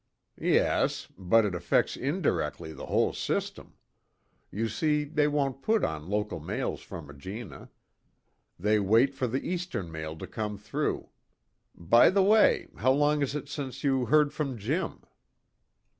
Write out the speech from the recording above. "Yes. But it affects indirectly the whole system. You see, they won't put on local mails from Regina. They wait for the eastern mail to come through. By the way, how long is it since you heard from Jim?"